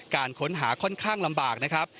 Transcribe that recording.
การค้นหาค่อนข้างลำบากนะครับ